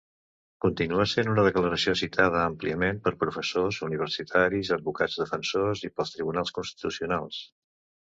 Continua sent una declaració citada àmpliament per professors, universitaris, advocats defensors i pels tribunals constitucionals.